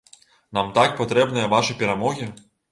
Нам так патрэбныя вашы перамогі!